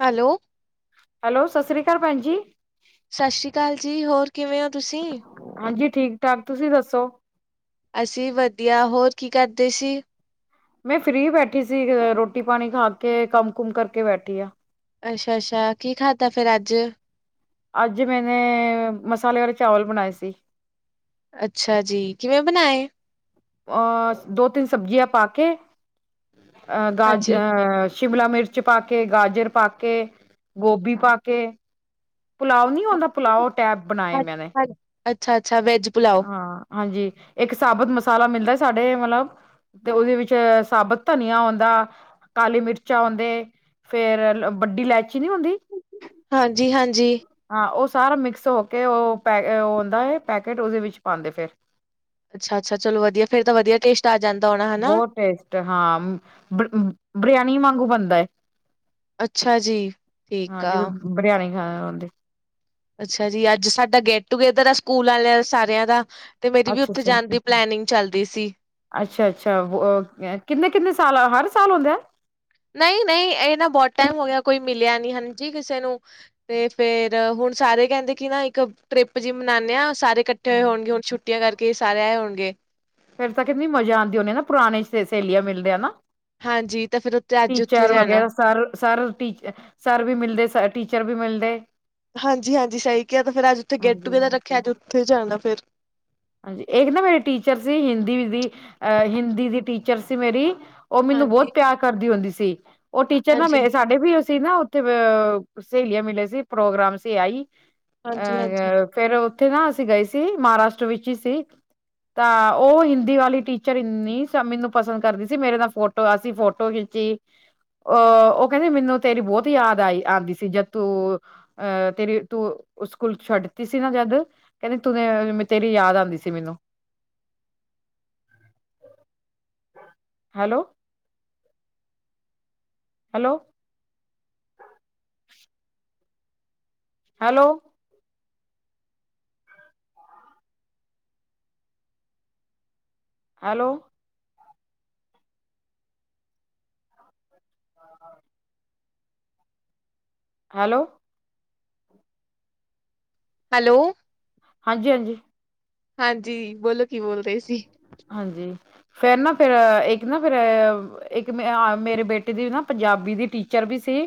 Hello, hello, ਸਤਿ ਸ਼੍ਰੀ ਅਕਾਲ ਭੈਣ ਜੀ। ਸਤਿ ਸ਼੍ਰੀ ਅਕਾਲ ਜੀ, ਹੋਰ ਕਿਵੇਂ ਹੋ ਤੁਸੀਂ? ਹਾਂਜੀ ਠੀਕ- ਠਾਕ, ਤੁਸੀਂ ਦੱਸੋ? ਅਸੀਂ ਵੀ ਵਧੀਆ, ਹੋਰ ਕੀ ਕਰਦੇ ਸੀ? ਮੈਂ ਫ਼ਰੀ ਬੈਠੀ ਸੀ ਰੋਟੀ- ਪਾਣੀ ਖਾ ਕੇ, ਕੰਮ- ਕੁਮ ਕਰਕੇ ਬੈਠੀ ਆ। ਅੱਛਾ -ਅੱਛਾ, ਕੀ ਖਾਧਾ ਫਿਰ ਅੱਜ? ਅੱਜ ਮੈਨੇ, ਮਸਾਲੇ ਵਾਲੇ ਚਾਵਲ ਬਣਾਏ ਸੀ। ਅੱਛਾ ਜੀ, ਕਿਵੇਂ ਬਣਾਏ? ਅਹ ਦੋ- ਤਿੰਨ ਸਬਜ਼ੀਆਂ ਪਾ ਕੇ, ਅਹ ਗਾਜ ਹਾਂਜੀ। ਅਹ ਸ਼ਿਮਲਾ, ਮਿਰਚ ਪਾ ਕੇ, ਗਾਜਰ ਪਾ ਕੇ, ਗੋਭੀ ਪਾ ਕੇ ਪੁਲਾਓ ਨੀ ਆਉਂਦਾ, ਪੁਲਾਓ ਟੈਪ ਬਣਾਏ ਮੈਨੇ। ਅੱਛਾ- ਅੱਛਾ, ਵੈਜ ਪੁਲਾਓ, ਹਾਂ। ਹਾਂਜੀ, ਇੱਕ ਸਾਬਤ ਮਸਾਲਾ ਮਿਲਦਾ ਸਾਡੇ ਮਤਲਬ ਤੇ ਉਹਦੇ ਵਿੱਚ ਸਾਬਤ ਧਨੀਆ ਆਉਂਦਾ। ਕਾਲੀ ਮਿਰਚਾਂ ਆਉਦੇ ਫੇਰ ਵੱਡੀ ਇਲਾਚੀ ਨੀ ਹੁੰਦੀ। ਹਾਂਜੀ -ਹਾਂਜੀ। ਹਾਂ ਉਹ ਸਾਰਾ ਮਿਕਸ ਹੋ ਕੇ ਉਹ, ਪੈ ਔਂਦਾ ਹੈ ਪੈਕੇਟ, ਉਹਦੇ ਵਿੱਚ ਪਾਉਂਦੇ ਫਿਰ। ਅੱਛਾ- ਅੱਛਾ ਚਲੋ ਵਧੀਆ ਫਿਰ ਤਾਂ ਵਦੀਆ ਟੇਸ਼ਟ ਆ ਜਾਂਦਾ ਹੋਣਾ। ਹਨਾ, ਬਹੁਤ ਟੇਸ਼ਟ ਹਾਂ। ਬਰ -ਬਰਿਆਨੀ ਵਾਂਗੂ ਬਣਦਾ ਏ। ਅੱਛਾ ਜੀ। ਠੀਕ ਹਾਂ, ਜਿਵੇ ਆ, ਬਰਿਆਣੇ ਖਾ ਹਦੇ। ਅੱਛਾ ਜੀ ਅੱਜ ਸਾਡਾ ਗੈਟ ਟੂ ਗੇਦਰ ਆ ਸਕੂਲ ਆਲਿਆਂ ਸਾਰਿਆਂ ਦਾ। ਤੇ ਮੇਰੀ ਵੀ ਓਥੇ ਜਾਣ ਦੀ ਪਲੈਨਿੰਗ ਚੱਲਦੀ ਸੀ। ਅੱਛਾ-ਅੱਛਾ, ਵੋ ਅ ਕਿੰਨੇ-ਕਿੰਨੇ ਸਾਲ ਹਰ ਸਾਲ ਹੁੰਦਾ ਏ। ਨਈ-ਨਈ ਏਹ ਨਾ ਬੰਤ ਟੇਮ ਹੋ ਗਿਆ, ਕੋਈ ਮਿਲਿਆ ਨਈ ਹਾਂਜੀ ਕਿਸੇ ਨੂੰ ਤੇ ਫੇਰ ਹੁਣ ਸਾਰੇ ਕੇਂਦੇ ਕਿ ਨਾ ਏਕ ਟ੍ਰਿਪ ਜੀ ਮਨਾਨੇ ਆ ਸਾਰੇ ਕੱਠੇ ਕੱਠੇ ਹੋਣਗੇ ਹੁਣ ਛੁੱਟੀਆਂ ਕਰਕੇ ਸਾਰੇ ਆਏ ਹੋਣਗੇ। ਫੇਰ ਤਾਂ ਕਿੰਨੀ ਮਜ਼ਾ ਆਂਦੀ ਹੋਨੀ ਨਾ ਪੁਰਾਣੇ ਸਹੇਲੀਆਂ ਮਿਲਦੀਆਂ ਨਾ ਹਾਂਜੀ ਤਾਂ ਫੇਰ ਓਥੇ ਅੱਜ ਓਥੇ ਟੀਚਰ ਜਾਣਾ। ਵਗੈਰਾ ਸਰ ਸਰ ਟੀ ਸਰ ਵੀ ਮਿਲਦੇ ਰਸ ਟੀਚਰ ਵੀ ਮਿਲਦੇ। ਹਾਂਜੀ-ਹਾਂਜੀ ਸਹੀ ਕਿਹਾ ਤੇ ਫੇਰ ਅੱਜ ਉੱਥੇ ਗੈਟ ਹਾਂਜੀ ਟੂਗੇਦਰ ਰੱਖਿਆ ਅੱਜ ਉੱਥੇ ਜਾਣਾ ਫੇਰ ਹਾਂਜੀ ਏਕ ਨਾ ਮੇਰੀ ਟੀਚਰ ਸੀ ਹਿੰਦੀ ਦੀ ਅਹ ਹਿੰਦੀ ਦੀ ਟੀਚਰ ਸੀ ਮੇਰੀ ਓ ਮੈਨੂੰ ਬੋਤ ਹਾਂਜੀ-ਹਾਂਜੀ, ਪਿਆਰ ਕਰਦੀ ਹੁੰਦੀ ਸੀ ਓ ਟੀਚਰ ਨਾ ਮੇਰੇ ਸਾਡੇ ਵੀ ਉਹ ਸੀ ਨਾ ਓਥੇ ਬ ਅ ਸਹੇਲੀਆਂ ਮਿਲੇ ਸੀ ਪ੍ਰੋਗਰਾਮ ਸੀ ਆਈ ਹਾਂਜੀ-ਹਾਂਜੀ ਅਹ ਫੇਰ ਓਥੇ ਨਾ ਅਸੀਂ ਗਏ ਸੀ। ਮਹਾਰਾਸ਼ਟਰ ਵਿੱਚ ਹੀ ਸੀ। ਤਾਂ ਉਹ ਹਿੰਦੀ ਵਾਲੀ ਟੀਚਰ ਏਨੀ ਸ ਮੈਨੂੰ ਪਸੰਦ ਕਰਦੀ ਸੀ, ਮੇਰੇ ਨਾਲ ਫੋਟੋ ਤੋਂ ਅਸੀਂ ਫੋਟੋ ਖਿੱਚੀ। ਅਹ ਓਹ ਕੇਂਦੇ ਮੈਨੂੰ ਤੇਰੀ ਬੋਤ ਯਾਦ ਆਈ ਆਂਦੀ ਸੀ ਜਦ ਤੂੰ ਅਹ ਤੇਰੀ ਤੂੰ ਸਕੂਲ ਛੱਡ ਦਿੱਤੀ ਸੀ ਨਾ ਜਦ ਕੇਂਦੇ ਤੂੰ ਅਹ ਤੇਰੀ ਯਾਦ ਆਂਦੀ ਸੀ ਮੈਨੂੰ hello. Hello. Hello. Hello. Hello. Hello. ਹਾਂਜੀ-ਹਾਂਜੀ। ਹਾਂਜੀ, ਬੋਲੋ ਕੀ ਬੋਲਦੇ ਸੀ। ਹਾਂਜੀ, ਫੇਰ ਨਾ ਫੇਰ ਏਕ ਨਾ ਫੇਰ ਏਕ ਮ ਅ ਮੇਰੇ ਬੇਟੇ ਦੀ ਨਾ ਪੰਜਾਬੀ ਦੀ ਟੀਚਰ ਵੀ ਸੀ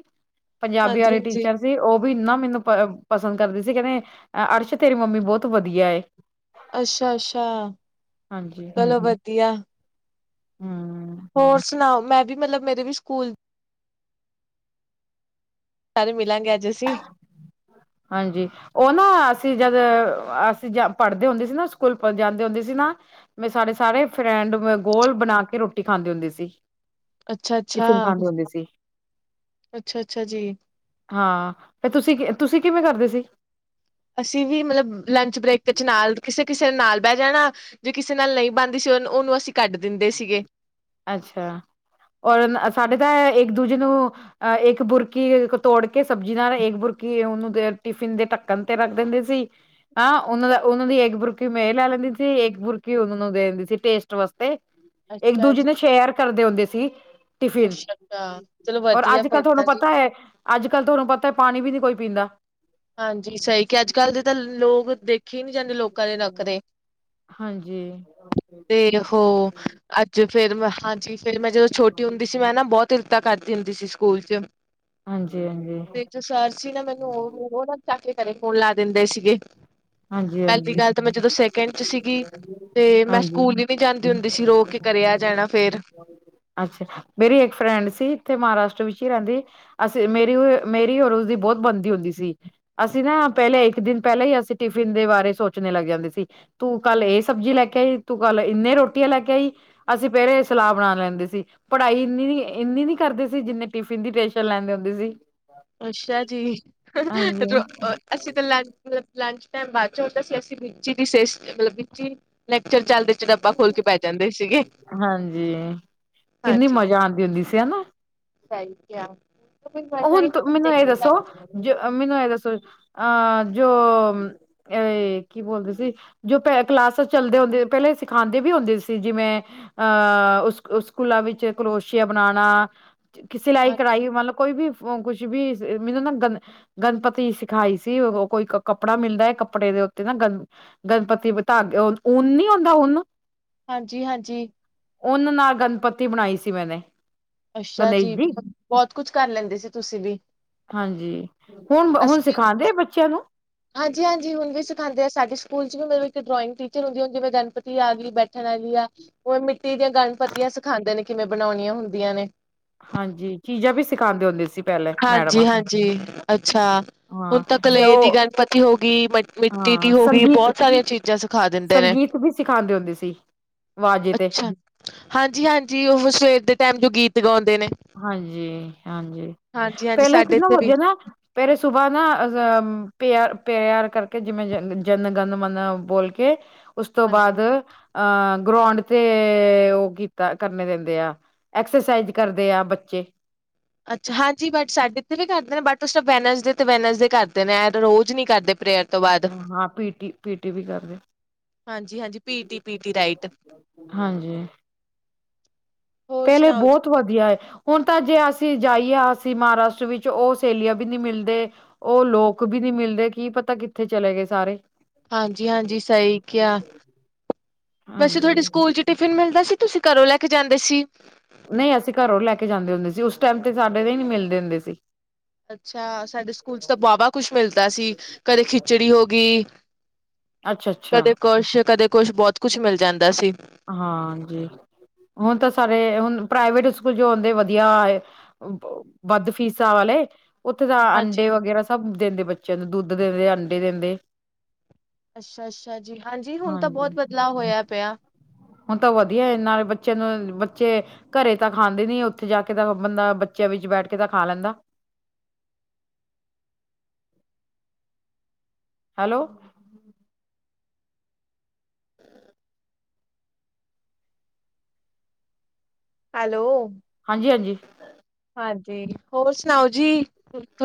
ਪੰਜਾਬੀ ਵਾਲੇ ਹਾਂਜੀ-ਹਾਂਜੀ ਟੀਚਰ ਸੀ ਉਹ ਵੀ ਏਨਾ ਮੈਨੂੰ ਪ ਪਸੰਦ ਕਰਦੀ ਸੀ ਕੇਂਦੇ ਅਰਸ਼ ਤੇਰੀ ਮੰਮੀ ਬੋਤ ਵਧੀਆ ਏ। ਅੱਛਾ-ਅੱਛਾ, ਹਾਂਜੀ ਚਲੋ ਵਧੀਆ। ਹੂੰ। ਹੋਰ ਸੁਣਾਓ, ਮੈਂ ਵੀ ਮਤਲਬ ਮੇਰੇ ਵੀ ਸਕੂਲ ਸਾਰੇ ਮਿਲਾਂਗੇ ਅੱਜ ਅਸੀਂ। ਹਾਂਜੀ। ਓ ਨਾ ਅਸੀਂ ਜਦ ਅਸੀਂ ਪੜ੍ਹਦੇ ਹੁੰਦੇ ਸੀ ਨਾ, ਸਕੂਲ ਜਾਂਦੇ ਹੁੰਦੇ ਸੀ ਨਾ ਮੈਂ ਸਾਰੇ-ਸਾਰੇ ਫਰੈਂਡ ਮ ਗੋਲ ਬਣਾ ਕੇ ਰੋਟੀ ਖਾਂਦੀ ਹੁੰਦੀ ਸੀ। ਅੱਛਾ-ਅੱਛਾ, ਟਿਫਿਨ ਖਾਂਦੇ ਹੁੰਦੇ ਸੀ ਅੱਛਾ-ਅੱਛਾ ਜੀ। ਹਾਂ ਫੇਰ ਤੁਸੀਂ ਕਿ ਤੁਸੀਂ ਕਿਵੇਂ ਕਰਦੇ ਸੀ। ਅਸੀਂ ਵੀ ਮਤਲਬ ਲੰਚ ਬ੍ਰੇਕ ਵਿੱਚ ਨਾਲ ਕਿਸੇ-ਕਿਸੇ ਦੇ ਨਾਲ ਬੈਹ ਜਾਣਾ। ਜੇ ਕਿਸੇ ਨਾਲ ਨਈ ਬਣਦੀ ਸੀ ਓਨੂੰ, ਓਨੂੰ ਅਸੀਂ ਕੱਢ ਦਿੰਦੇ ਸੀਗੇ। ਅੱਛਾ, ਔਰ ਅ ਸਾਡੇ ਤਾਂ ਇੱਕ ਦੂਜੇ ਨੂੰ ਅਹ ਏਕ ਬੁਰਕੀ ਤੋੜ ਕੇ ਸਬਜ਼ੀ ਨਾਲ ਏਕ ਬੁਰਕੀ ਓਨੂੰ ਟਿਫਿਨ ਦੇ ਢੱਕਣ ਤੇ ਰੱਖ ਦਿੰਦੇ ਸੀ। ਹਾਂ ਓਨਾਂ ਦਾ ਓਨਾਂ ਦੀ ਏਕ ਬੁਰਕੀ ਮੇ ਲੈ ਲੈਂਦੀ ਸੀ, ਏਕ ਬੁਰਕੀ ਉਹ ਨੂੰ ਦੇ ਦਿੰਦੀ ਸੀ ਟੇਸਟ ਵਾਸਤੇ ਏਕ ਅੱਛਾ ਦੂਜੇ ਜੀ, ਨੂੰ ਸ਼ੇਅਰ ਕਰਦੇ ਹੁੰਦੇ ਸੀ। ਟਿਫਿਨ, ਅੱਛਾ-ਅੱਛਾ ਚਲੋ ਔਰ ਵਧੀਆ ਫਿਰ ਅੱਜ-ਕੱਲ੍ਹ ਤਾਂ ਤੁਹਾਨੂੰ ਜੀ। ਪਤਾ ਐ ਅੱਜ-ਕੱਲ੍ਹ ਤੁਹਾਨੂੰ ਪਤਾ ਪਾਣੀ ਵੀ ਨੀ ਕੋਈ ਪੀਂਦਾ। ਹਾਂਜੀ ਸਹੀ ਕਿਹਾ, ਅੱਜ-ਕੱਲ੍ਹ ਦੇ ਤਾਂ ਲੋਕ ਦੇਖ ਰੱਖੀ ਨੀ ਜਾਂਦੇ ਲੋਕਾਂ ਦੇ ਨੱਕ ਤੇ। ਹਾਂਜੀ ਤੇ ਹੋ ਅੱਜ ਫੇਰ ਮੈਂ ਹਾਂਜੀ, ਫੇਰ ਮੈਂ ਜਦੋਂ ਛੋਟੀ ਹੁੰਦੀ ਸੀ, ਮੈਂ ਨਾ ਬਹੁਤ ਇਲਤਾਂ ਕਰਦੀ ਹੁੰਦੀ ਸੀ ਸਕੂਲ 'ਚ। ਹਾਂਜੀ ਹਾਂਜੀ ਤੇ ਜੋ ਸਰ ਸੀ ਨਾ ਮੈਨੂੰ ਉਹ ਉਹ ਨਾ ਚੱਕ ਕੇ ਘਰੇ ਫੋਨ ਲਾ ਦਿੰਦੇ ਸੀਗੇ। ਹਾਂਜੀ ਪਹਿਲੀ ਹਾਂਜੀ ਗੱਲ ਤੇ ਮੈਂ ਜਦੋਂ ਸੈਕਿੰਡ 'ਚ ਸੀਗੀ ਤੇ ਮੈਂ ਹਾਂਜੀ ਸਕੂਲ ਵੀ ਨੀ ਜਾਂਦੀ ਹੁੰਦੀ ਸੀ, ਰੋ ਕੇ ਘਰੇ ਆ ਜਾਣਾ ਫੇਰ। [inaudible] ਅੱਛਾ, ਮੇਰੀ ਇੱਕ ਫਰੈਂਡ ਸੀ ਇੱਥੇ ਮਹਾਰਾਸ਼ਟਰ ਵਿੱਚ ਈ ਰਹਿੰਦੀ ਅਸੀਂ ਮੇਰੀ-ਮੇਰੀ ਔਰ ਉਸਦੀ ਬੋਹਤ ਬਣਦੀ ਹੁੰਦੀ ਸੀ, ਅਸੀਂ ਨਾ ਪਹਿਲੇ ਇੱਕ ਦਿਨ, ਪਹਿਲਾਂ ਅਸੀਂ ਟਿਫਿਨ ਦੇ ਬਾਰੇ ਸੋਚਣੇ ਲੱਗ ਜਾਂਦੇ ਸੀ ਤੂੰ ਕੱਲ੍ਹ ਇਹ ਸਬਜ਼ੀ ਲੈ ਕੇ ਆਈ, ਤੂੰ ਕੱਲ੍ਹ ਇੰਨੇ ਰੋਟੀਆਂ ਲੈ ਕੇ ਆਈ ਅਸੀਂ ਪਹਿਰੇ ਇਹ ਸਲਾਹ ਬਣਾ ਲੈਂਦੇ ਸੀ ਪੜ੍ਹਾਈ ਇੰਨੀ-ਇੰਨੀ ਵੀ ਕਰਦੇ ਸੀ, ਜਿੰਨੇ ਟਿਫਿਨ ਦੀ ਟੈਨਸ਼ਨ ਲੈਂਦੇ ਹੁੰਦੇ ਸੀ। ਅੱਛਾ ਜੀ, ਹਾਂਜੀ ਜੋ ਅ ਅਸੀਂ ਤੇ ਲੰਚ ਮਤਲਬ ਲੰਚ ਟਾਈਮ ਬਾਅਦ 'ਚ ਹੁੰਦਾ ਸੀ, ਅਸੀਂ ਮਿੱਜੀ ਦੀ ਸੇਜ ਮਤਲਬ ਮਿਚੀ ਲੈਕਚਰ ਚੱਲਦੇ ਚ ਡੱਬਾ ਖੋਲ ਕੇ ਬਹਿ ਜਾਂਦੇ ਸੀਗੇ ਹਾਂਜੀ, ਕਿੰਨੀ ਮਜ਼ਾ ਆਂਦੀ ਹੁੰਦੀ ਸੀ ਹਨਾ। ਸਈ ਕਿਆ ਹੁਣ ਤੁ ਮੈਨੂੰ ਇਹ ਦੱਸੋ, ਜ ਮੈਨੂੰ ਇਹ ਦੱਸੋ? ਅਹ ਜੋ ਐਹ, ਕੀ ਬੋਲਦੇ ਸੀ ਜੋ ਪੈ ਕਲਾਸ 'ਚ ਚੱਲਦੇ ਹੁੰਦੇ, ਪਹਿਲੇ ਸਿਖਾਂਦੇ ਵੀ ਹੁੰਦੇ ਸੀ ਜਿਵੇਂ ਅਹ ਉਸ-ਉਸ ਸਕੂਲਾਂ ਵਿੱਚ ਕਰੋਸ਼ੀਆ ਬਣਾਣਾ, ਸਿਲਾਈ, ਹਾਂਜੀ ਕਢਾਈ ਮਲਬ ਕੋਈ ਵੀ ਕੁਛ ਵੀ, ਮੈਨੂੰ ਨਾ ਗ ਗਣਪਤੀ ਸਿਖਾਈ ਸੀ ਉਦੋਂ, ਕੋਈ ਕੱਪੜਾ ਮਿਲਦਾ ਐ, ਕੱਪੜੇ ਦੇ ਉੱਤੇ ਨਾ ਗਣ ਗਣਪਤੀ ਬੀ ਤਾਂਗ ਓ, ਓਨ ਨੀ ਆਉਂਦਾ ਉਨ ਹਾਂਜੀ-ਹਾਂਜੀ। ਉਨ ਨਾਲ ਗਣਪਤੀ ਬਣਾਈ ਸੀ ਮੈਨੇ ਅੱਛਾ ਜੀ, ਬ ਬਹੁਤ ਕੁੱਛ ਕਰ ਲੈਂਦੇ ਸੀ ਤੁਸੀਂ ਵੀ ਹਾਂਜੀ, ਹੁਣ-ਹੁਣ ਸਿਖਾਂਦੇ ਬੱਚਿਆਂ ਨੂੰ ਹਾਂਜੀ-ਹਾਂਜੀ ਹੁਣ ਵੀ ਸਿਖਾਂਦੇ ਆ, ਸਾਡੇ ਸਕੂਲ 'ਚ ਵੀ ਮਤਲਬ ਇੱਕ ਡਰੋਇੰਗ ਟੀਚਰ ਹੁੰਦੀ, ਹੁਣ ਜਿਵੇਂ ਗਣਪਤੀ ਆ ਗੀ, ਬੈਠਣ ਆਗੀ ਆ। ਉਹ ਮਿੱਟੀ ਦੀਆਂ ਗਣਪਤੀਆਂ ਸਿਖਾਂਦੇ ਨੇ ਕਿਵੇਂ ਬਣਾਉਣੀਆਂ ਹੁੰਦੀਆਂ ਨੇ। ਹਾਂਜੀ, ਚੀਜ਼ਾਂ ਵੀ ਸਿਖਾਂਦੇ ਹੁੰਦੇ ਸੀ। ਪਹਿਲੇ ਮੈਡਮਾਂ ਹਾਂਜੀ-ਹਾਂਜੀ ਅੱਛਾ। ਹੁਣ ਹਾਂ ਤਾ ਤੇ ਕਲੇ ਦੀ ਉਹ ਗਣਪਤੀ ਹੋ ਗੀ, ਮ ਮਿੱਟੀ ਦੀ ਹਾਂ ਹੋ ਗੀ, ਸੰਗੀਤ ਬਹੁਤ ਸਾਰੀਆਂ ਚੀਜ਼ਾਂ ਸਿਖਾ ਦਿੰਦੇ ਨੇ। ਸੰਗੀਤ ਵੀ ਸਿਖਾਂਦੇ ਹੁੰਦੇ ਸੀ, ਵਾਜ਼ੇ ਤੇ ਅੱਛਾ, ਹਾਂਜੀ-ਹਾਂਜੀ, ਉਹ ਸਵੇਰ ਦੇ ਟਾਈਮ ਜੋ ਗੀਤ ਗਾਉਂਦੇ ਨੇ ਹਾਂਜੀ-ਹਾਂਜੀ ਹਾਂਜੀ-ਹਾਂਜੀ ਪਹਿਲੇ ਸਾਡੇ ਕਿਨਾਂ ਇੱਥੇ ਵੀ ਵਧੀਆ ਨਾ ਪੇਰੇ ਸੁਬਾ ਨਾ, ਅ ਪਿਆ, ਪਿਆਰ ਕਰਕੇ ਜਿਵੇਂ ਜ ਜਨ ਗਨ ਮਨ ਬੋਲ ਕੇ ਉਸ ਤੋਂ ਬਾੱਦ ਹਾਂਜੀ। ਅ ਗਰਾਊਂਡ ਤੇ ਉਹ ਕੀਤਾ, ਕਰਨੇ ਦਿੰਦੇ ਆ, ਐਕਸਰਸਾਈਜ਼ ਕਰ ਤੇ ਆ ਬੱਚੇ ਅੱਛਾ, ਹਾਂਜੀ, ਬਟ ਸਾਡੇ ਇੱਥੇ ਵੀ ਕਰਦੇ ਨੇ, ਬਟ ਉਹ ਸਿਰਫ ਵੈਨਸਡੇ ਤੇ ਵੈਨਸਡੇ ਕਰਦੇ ਨੇ, ਐ ਤੇ ਰੋਜ਼ ਨੀ ਕਰਦੇ ਪ੍ਰੇਅਰ। ਤੋਂ ਬਾਅਦ ਅੱਛਾ, ਹਾਂ ਪੀਟੀ-ਪੀਟੀ ਵੀ ਕਰਦੇ ਹਾਂਜੀ-ਹਾਂਜੀ ਪੀਟੀ-ਪੀਟੀ ਰਾਈਟ ਹਾਂਜੀ। ਹੋਰ ਪਹਿਲੇ ਸੁਣਾਓ ਜੀ? ਬੋਹਤ ਵਧੀਆ ਏ। ਹੁਣ ਤਾਂ ਜੇ ਅਸੀਂ ਜਾਈਏ ਅਸੀਂ ਮਹਾਰਾਸ਼ਟਰ ਵਿੱਚ ਉਹ ਸਹੇਲੀਆਂ ਵੀ ਨਈ ਮਿਲਦੇ। ਉਹ ਲੋਕ ਵੀ ਨੀ ਮਿਲਦੇ ਕੀ ਪਤਾ ਕਿੱਥੇ ਚਲੇ ਗਏ ਸਾਰੇ। ਹਾਂਜੀ- ਹਾਂਜੀ ਸਹੀ ਕਿਆ, ਵੈਸੇ ਹਾਂਜੀ ਤੁਹਾਡੇ ਸਕੂਲ ਚ' ਟਿਫਿਨ ਮਿਲਦਾ ਸੀ ਤੁਸੀਂ ਕਰੋਂ ਲੈ ਕੇ ਜਾਂਦੇ ਸੀ। ਨਈ, ਅਸੀਂ ਕਰੋਂ ਲੈ ਕੇ ਜਾਂਦੇ ਹੁੰਦੇ ਸੀ ਉਸ ਟਾਈਮ ਤੇ ਸਾਡੇ ਦੇ ਹੀ ਨੀਂ ਮਿਲਦੇ ਹੁੰਦੇ ਸੀ। ਅੱਛਾ। ਸਾਡੇ ਸਕੂਲ ਚ' ਤਾਂ ਵਾਹਵਾ ਕੁਛ ਮਿਲਦਾ ਸੀ, ਕਦੇ ਖਿਚੜੀ ਹੋ ਗਈ। ਅੱਛਾ ਅੱਛਾ ਕਦੇ ਕੁਛ, ਕਦੇ ਕੁਛ ਬੋਹਤ ਕੁਛ ਮਿਲ ਜਾਂਦਾ ਸੀ। ਹਾਂਜੀ। ਹੁਣ ਤਾਂ ਸਾਰੇ ਹੁਣ ਪ੍ਰਾਈਵੇਟ ਸਕੂਲ ਜੋ ਹੁੰਦੇ ਵਧੀਆ। ਵੱਧ ਫੀਸ ਆ ਵਾਲੇ। ਉੱਥੇ ਤਾਂ ਹਾਂਜੀ ਅੰਡੇ ਵਗੈਰਾ ਸਭ ਦਿੰਦੇ ਬੱਚਿਆਂ ਨੂੰ ਦੁੱਧ ਦਿੰਦੇ, ਅੰਡੇ ਦਿੰਦੇ। ਅੱਛਾ- ਅੱਛਾ ਜੀ। ਹਾਂਜੀ ਹੁਣ ਤਾਂ ਬੋਹਤ ਹਾਂਜੀ ਬਦਲਾਵ ਹੋਇਆ ਪਿਆ। ਹੁਣ ਤਾਂ ਵਧੀਆ ਨਾਲੇ ਬੱਚੇ ਨੂੰ ਬੱਚੇ ਘਰੇ ਤਾਂ ਖਾਂਦੇ ਨੀ ਉੱਥੇ ਜਾ ਕੇ ਤਾਂ ਬੰਦਾ ਬੱਚਿਆਂ ਵਿੱਚ ਬੈਠ ਕੇ ਤਾਂ ਖਾ ਲੈਂਦਾ। ਹੈਲੋ, ਹੈਲੋ, ਹਾਂਜੀ-ਹਾਂਜੀ। ਹਾਂਜੀ। ਹੋਰ ਸੁਣਾਓ ਜੀ,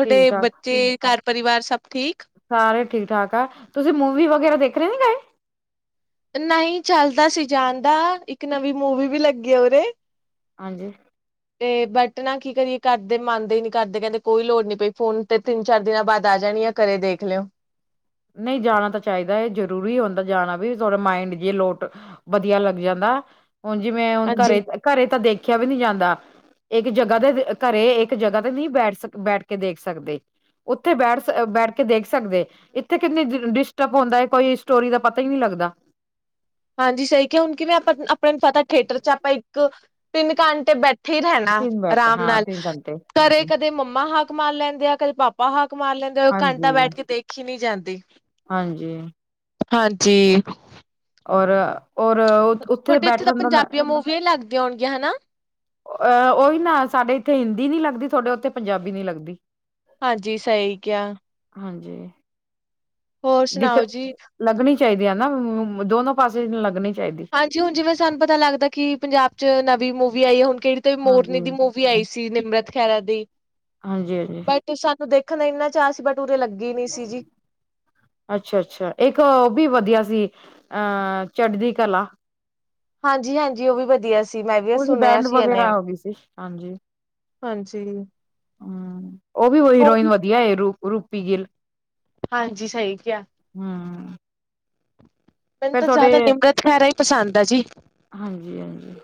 ਠੀਕ ਠਾਕ ਬੱਚੇ ਘਰ ਪਰਿਵਾਰ ਸਭ ਠੀਕ? ਸਾਰੇ ਠੀਕ ਠਾਕ ਆ। ਤੁਸੀਂ ਮੂਵੀ ਵਗੈਰਾ ਦੇਖਰ ਨੀ ਗਏ? ਨਈ ਚੱਲਦਾ ਸੀ ਜਾਣ ਦਾ, ਇੱਕ ਨਵੀਂ ਮੂਵੀ ਵੀ ਲੱਗੀ ਆ ਉਰੇ। ਹਾਂਜੀ। [inaudible] 'ਤੇ ਬਟ ਨਾ ਕੀ ਕਰੀਏ ਕਰਦੇ ਮੰਨਦੇ ਈ ਨੀ ਘਰਦੇ ਕਹਿੰਦੇ ਕੋਈ ਲੋੜ ਨੀ ਪਈ ਫੋਨ 'ਤੇ ਤਿੰਨ- ਚਾਰ ਦਿਨਾਂ ਬਾਅਦ ਆ ਜਾਣੀ ਆ। ਘਰੇ ਦੇਖ ਲੇਓ। ਨਈ ਜਾਣਾ ਤਾਂ ਚਾਈਦਾ ਐ ਜ਼ਰੂਰੀ ਹੁੰਦਾ ਜਾਣਾ ਵੀ ਥੋਰਾ ਮਾਈੰਡ ਜੇ ਲੋਟ ਵਧੀਆ ਲੱਗ ਜਾਂਦਾ। ਹੁਣ ਜਿਵੇਂ ਹੁਣ ਹਾਂਜੀ ਘਰੇ, ਘਰੇ ਤਾਂ ਦੇਖਿਆ ਵੀ ਨੀ ਜਾਂਦਾ। ਇੱਕ ਜਗ੍ਹਾ ਦੇ ਘਰੇ ਇੱਕ ਜਗ੍ਹਾ 'ਤੇ ਨਈ ਬੈਠ ਸਕ ਬੈਠ ਕੇ ਦੇਖ ਸਕਦੇ। ਉੱਥੇ ਬੈਠ ਸ ਬੈਠ ਕੇ ਦੇਖ ਸਕਦੇ। ਇੱਥੇ ਕਿੰਨੀ ਡਿਸਟਰਬ ਹੁੰਦਾ ਐ ਕੋਈ ਸਟੋਰੀ ਦਾ ਪਤਾ ਈ ਨੀ ਲੱਗਦਾ। ਹਾਂਜੀ। ਸਈ ਕਿਹਾ ਹੁਣ ਕਿਵੇਂ ਆਪਾਂ ਆਪਣੇ ਨੂੰ ਪਤਾ ਥੀਏਟਰ 'ਚ ਆਪਾਂ ਇੱਕ ਤਿੰਨ ਘੰਟੇ ਬੈ ਠੇ ਰਹਿਣਾ ਤਿੰਨ ਬੈਠੇ ਆਰਾਮ ਹਾਂ ਨਾਲ। ਤਿੰਨ ਘੰਟੇ ਘਰੇ ਕਦੇ ਮੰਮਾ ਹਾੱਕ ਮਾਰ ਲੈਂਦੇ ਆ ਕਦੇ ਪਾਪਾ ਹਾੱਕ ਮਾਰ ਲੈਂਦੇ ਆ ਉਹ ਘੰਟਾ ਹਾਂਜੀ ਬੈਠ ਕੇ ਦੇ ਖੀ ਨੀ ਜਾਂਦੀ। ਹਾਂਜੀ। ਹਾਂਜੀ। ਔਰ, ਔਰ ਉੱਥੇ ਬੈਠਣ ਦਾ ਨਾ ਵੇ ਲੱਗਦੀਆਂ ਹੋਣਗੀਆਂ। ਹਨਾ। ਅਹ ਉਹੀ ਨਾ ਸਾਡੇ ਇੱਥੇ ਹਿੰਦੀ ਨੀ ਲੱਗਦੀ ਥੋਡੇ ਉੱਥੇ ਪੰਜਾਬੀ ਨੀ ਲੱਗਦੀ। ਹਾਂਜੀ। ਸਈ ਕਿਹਾ। ਹਾਂਜੀ। ਹੋਰ ਦਿਖ ਸੁਣਾਓ ਜੀ? ਲੱਗਣੀ ਚਾਈਦੀ ਆ ਨਾ, ਦੋਨੋ ਪਾਸੇ ਲੱਗਣੀ ਚਾਈਦੀ। ਹਾਂਜੀ ਹੁਣ ਜਿਵੇਂ ਸਾਨੂੰ ਪਤਾ ਲੱਗਦਾ ਕਿ ਪੰਜਾਬ 'ਚ ਨਵੀ ਮੂਵੀ ਆਈ ਐ ਹੁਣ ਕਿਹੜੀ 'ਤੇ ਮੋਰਨੀ ਹਾਂਜੀ ਦੀ ਮੂਵ ਵੀ ਆਈ ਸੀ ਨਿਮਰਤ ਖਹਿਰਾ ਦੀ। ਹਾਂਜੀ-ਹਾਂਜੀ। 'ਤੇ ਸਤ ਦੇਖਣ ਦਾ ਇੰਨਾ ਚਾਅ ਸੀ ਬਟ ਉਰੇ ਲੱਗੀ ਨੀ ਸੀ ਜੀ। ਅੱਛਾ-ਅੱਛਾ ਇੱਕ ਉਹ ਵੀ ਵਧੀਆ ਸੀ ਅਹ ਚੜਦੀ ਕਲਾ। ਹਾਂਜੀ-ਹਾਂਜੀ ਉਹ ਵੀ ਵਧੀਆ ਸੀ ਸੀ ਮੈਂ ਵੀ ਇਹ ਉਹਦੀ ਸੁਣਿਆ ਬੈਂਡ ਸੀ ਇਹ ਵਗੈਰਾ ਨੇਮ, ਹੋ ਗਈ ਸੀ ਹਾਂਜੀ ਹਾਂਜੀ। ਹਮ ਉਹ ਵੀ ਹੀਰੋਇਨ ਵਧੀਆ ਰੂ ਰੂਪੀ ਗਿੱਲ। ਹਾਂਜੀ ਸਈ ਕਿਹਾ। ਹੂੰ ਮੈਨੂੰ ਫੇਰ ਤਾਂ ਥੋਹਡੇ, ਜ਼ਿਆਦਾ ਨਿਮਰਤ ਖਹਿਰਾ ਹੀ ਪਸੰਦ ਆ ਜੀ ਹਾਂਜੀ-ਹਾਂਜੀ।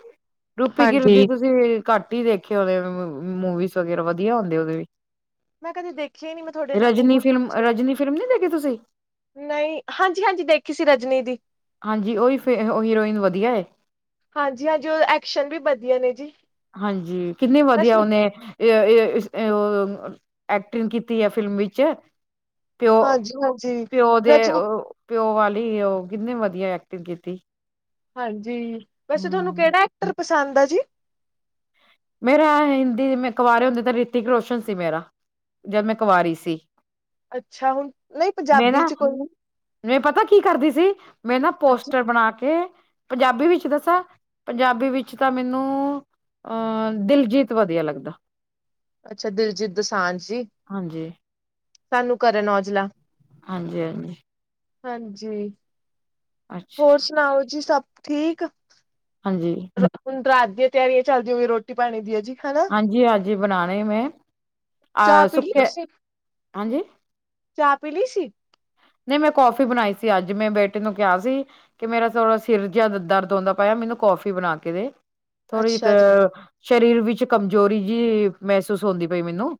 ਰੂਪੀ ਗਿੱਲ ਦੀ ਹਾਂਜੀ। ਤੁਸੀਂ ਘੱਟ ਈ ਦੇਖੇ ਹੋਣੇ, ਵੇ ਮੂਵੀਸ ਵਗੈਰਾ ਵਧੀਆ ਹੁੰਦੇ ਉਹਦੇ ਵੀ‌। ਮੈਂ ਕਦੇ ਦੇਖਿਆ ਹੀ ਨੀ ਮੈਂ ਤੁਹਾਡੇ ਨਾਮ ਰਜਨੀ ਫਿਲਮ ਰਜਨੀ ਫਿਲਮ ਨੀ ਦੇਖੀ ਤੁਸੀਂ? ਨਈ -ਹਾਂਜੀ, ਹਾਂਜੀ ਦੇਖੀ ਸੀ ਰਜਨੀ ਦੀ। ਹਾਂਜੀ ਉਹੀ ਫੇ ਹੀਰੋਇਨ ਵਧੀਆ। ਹਾਂਜੀ-ਹਾਂਜੀ ਉਹ ਐਕਸ਼ਨ ਵਧੀਆ ਨੇ ਜੀ। ਹਾਂਜੀ ਕਿੰਨੀ ਵਧੀਆ ਰਜਨੀ ਉਹਨੇ ਏ ਏ ਉਹ ਐਕਟਿੰਗ ਕੀਤੀ ਆ ਫਿਲਮ ਵਿੱਚ। ਪਿਓ, ਹਾਂਜੀ ਹਾਂਜੀ। ਪਿਓ ਦੇ ਰਜਨੀ ਔ ਪਿਓ ਵਾਲੀ ਓ ਕਿੰਨੀ ਵਧੀਆ ਐਕਟਿੰਗ ਕੀਤੀ। ਹਾਂਜੀ ਵੈਸੇ ਤੁਹਾਨੂੰ ਹੂੰ। ਕਿਹੜਾ ਐਕਟਰ ਪਸੰਦ ਆ ਜੀ? ਮੇਰਾ ਹਿੰਦੀ ਮੈਂ ਕਵਾਰੇ ਹੁੰਦੇ ਤਾਂ ਰਿਤਿਕ ਰੋਸ਼ਨ ਸੀ ਮੇਰਾ, ਜਦ ਮੈਂ ਕਵਾਰੀ ਸੀ। ਅੱਛਾ ਹੁਣ ਨਹੀਂ ਪੰਜਾਬੀ 'ਚ ਕੋਈ, ਨਹੀ ਮੈਂ ਪਤਾ ਕੀ ਕਰਦੀ ਸੀ, ਮੈਂ ਨਾ ਹਾਂਜੀ। ਪੋਸਟਰ ਬਣਾ ਕੇ, ਪੰਜਾਬੀ ਵਿੱਚ ਦੱਸਾਂ, ਪੰਜਾਬੀ ਵਿੱਚ ਤਾਂ ਮੈਨੂੰ ਅ ਦਿਲਜੀਤ ਵਧੀਆ ਲੱਗਦਾ। ਅੱਛਾ ਦਿਲਜੀਤ ਦੋਸਾਂਝ ਜੀ। ਹਾਂਜੀ, ਸਾਨੂੰ ਕਰਨ ਔਜਲਾ। ਹਾਂਜੀ ਹਾਂਜੀ, ਹਾਂਜੀ ਹੋਰ ਅੱਛਾ ਸੁਣਾਓ ਜੀ ਸਭ ਠੀਕ। ਹਾਂਜੀ, ਹੁਣ ਰਾਤ ਦੀਆਂ ਤਿਆਰੀਆਂ ਚੱਲਦੀ ਹੋਈ ਰੋਟੀ ਪਾਣੀ ਦੀਆਂ ਜੀ ਹਨਾ ਹਾਂਜੀ- ਹਾਂਜੀ ਬਣਾਉਣੇ ਮੇ, ਚਾਹ ਅ ਪੀ ਲਈ ਸੁੱਕੇ, ਤੁਸੀਂ ਹਾਂਜੀ। ਚਾਹ ਪੀਲੀ ਸੀ। ਨਹੀਂ ਮੈਂ ਕੌਫੀ ਬਣਾਈ ਸੀ ਅੱਜ ਮੈਂ ਬੇਟੇ ਨੂੰ ਕਿਹਾ ਸੀ। ਕਿ ਮੇਰਾ ਥੋੜਾ ਸਿਰ ਜਿਹਾ ਦਰਦ ਹੁੰਦਾ ਪਿਆ ਮੈਨੂੰ ਕੌਫੀ ਬਣਾ ਕੇ ਦੇ। ਥੋੜ੍ਹੀ ਅੱਛਾ ਕ ਜੀ। ਸਰੀਰ ਵਿੱਚ ਕਮਜ਼ੋਰੀ ਜਿਹੀ ਮਹਿਸੂਸ ਹੁੰਦੀ ਪਈ ਮੈਨੂੰ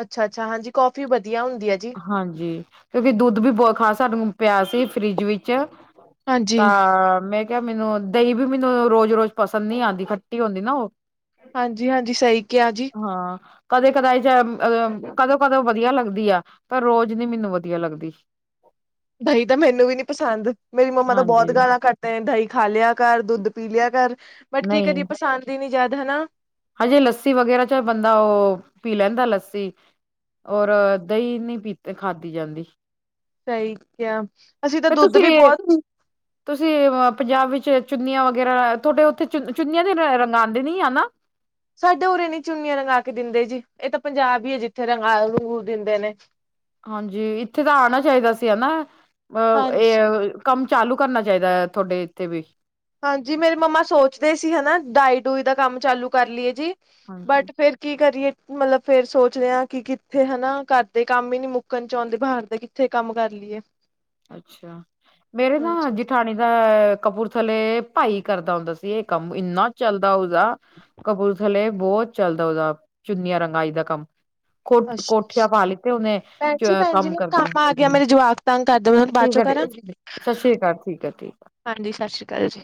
ਅੱਛਾ ਅੱਛਾ ਹਾਂਜੀ ਕਾਫੀ ਵਧੀਆ ਹੁੰਦੀ ਏ ਜੀ। ਹਾਂਜੀ ਕਿਉਂਕਿ ਦੁੱਧ ਵੀ ਬਹੁਤ ਖਾਸਾ ਸਾਨੂੰ ਪਿਆ ਸੀ ਫਰਿਜ ਵਿੱਚ ਹਾਂਜੀ। ਤਾਂ, ਮੈਂ ਕਿਹਾ ਮੈਨੂੰ, ਦਹੀਂ ਵੀ ਮੈਨੂੰ ਰੋਜ਼- ਰੋਜ਼ ਪਸੰਦ ਨਹੀਂ ਆਉਂਦੀ ਖੱਟੀ ਹੁੰਦੀ ਨਾ ਓ ਹਾਂਜੀ-ਹਾਂਜੀ ਸਹੀ ਕਿਹਾ ਜੀ ਹਾਂ, ਕਦੇ- ਕਦੇ ਜ ਅ, ਕਦੋਂ -ਕਦੋਂ ਵਧੀਆ ਲੱਗਦੀ ਆ, ਪਰ ਰੋਜ਼ ਨੀ ਮੈਨੂੰ ਵਧੀਆ ਲੱਗਦੀ। ਦਹੀਂ ਤਾਂ ਮੈਨੂੰ ਵੀ ਨੀ ਪਸੰਦ ਮੇਰੀ ਮੰਮਾ ਤਾਂ ਬਹੁਤ ਹਾਂਜੀ ਗਾਲਾਂ ਕਢਦੇ ਦਹੀਂ ਖਾ ਲਿਆ। ਘਰ ਦੁੱਧ ਪੀ ਲਿਆ ਕਰ ਬਟ ਕੀ ਨਹੀਂ ਕਰੀਏ ਪਸੰਦ ਹੀ ਨੀ ਜਿਆਦਾ ਹਨਾ। ਹਜੇ ਲੱਸੀ ਵਗੈਰਾ 'ਚ ਬੰਦਾ ਉਹ, ਪੀ ਲੈਂਦਾ ਲੱਸੀ, ਔਰ ਦਹੀਂ ਨਹੀਂ ਪੀਤ ਖਾਤੀ ਜਾਂਦੀ। ਸਈ ਕਿਹਾ। ਅਸੀਂ ਤਾਂ ਫੇਰ ਦੁੱਧ ਤੁਸੀਂ ਵੀ ਏ? ਬਹੁਤ ਤੁਸੀਂ ਪੰਜਾਬ ਵਿੱਚ ਚੁੰਨੀਆਂ ਵਗੈਰਾ ਤੁਹਾਡੇ ਉੱਥੇ ਚੁੰਨੀ ਚੁੰਨੀਆਂ ਦੇ ਰੰਗ ਰੰਗਾਂਦੇ ਨੀ ਆ ਨਾ ਸਾਡੇ ਉਰੇ ਨੀ ਚੁੰਨੀਆਂ ਰੰਗਾ ਕੇ ਦਿੰਦੇ ਜੀ ਏ ਤਾਂ ਪੰਜਾਬ ਈ ਐ ਜੀ ਜਿੱਥੇ ਰੰਗਾਂ ਰੰਗੂ ਦਿੰਦੇ ਨੇ, ਹਾਂਜੀ, ਇੱਥੇ ਤਾਂ ਆਣਾ ਚਾਹੀਦਾ ਸੀ ਹਨਾ ਅ ਏ ਹਾਂਜੀ ਕੰਮ ਚਾਲੂ ਕਰਨਾ ਚਾਹੀਦਾ ਏ ਤੁਹਾਡੇ ਏਥੇ ਵੀ, ਹਾਂਜੀ, ਮੇਰੀ ਮੰਮਾ ਸੋਚਦੇ ਸੀ ਹਨਾ ਡਾਈ ਡੂਈ ਦਾ ਕੰਮ ਚਾਲੂ ਕਰ ਲਈਏ ਜੀ ਹਾਂਜੀ। ਬਟ ਫਿਰ ਕੀ ਕਰੀਏ ਮਤਲਬ ਫੇਰ ਸੋਚਦੇ ਆ ਕਿ ਕਿੱਥੇ ਹਨਾ ਘਰਦੇ ਕੰਮ ਈ ਨੀ ਮੁੱਕਣ ਚ ਆਉਂਦੇ ਬਾਹਰ ਦੇ ਕਿੱਥੇ ਕੰਮ ਕਰ ਲਈ ਏ। ਅੱਛਾ, ਮੇਰੇ ਨਾ ਜੇਠਾਣੀ ਦਾ ਕਪੂਰ ਥੱਲੇ ਭਾਈ ਕਰਦਾ ਹੁੰਦਾ ਸੀ ਇਹ ਕੰਮ ਇੰਨਾ ਚੱਲਦਾ ਉ, ਸਦਾ ਕਪੂਰਥਲੇ ਬਹੁਤ ਚੱਲਦਾ ਓਦਾ ਚੁੰਨੀਆਂ ਰੰਗਾਈ ਦਾ ਕੰਮ, ਕੋ ਅੱਛਾ ਕੋਠੀਆਂ ਪਾ ਲਿੱਤੇ ਉਹਨੇ ਚ ਕੰਮ ਕਰਦਿਆਂ। ਯਾਰ ਮੇਰੇ ਜਵਾਕ ਤੰਗ ਕਰਦੇ ਮੈਂ ਤੁਹਾਨੂੰ ਬਾਚੋਂ ਕਰਾਂ ਸਤਿ ਸ੍ਰੀ ਅਕਾਲ ਠੀਕ ਹੈ ਠੀਕ ਹਾਂਜੀ ਸਤਿ ਸ਼੍ਰੀ ਅਕਾਲ ਜੀ।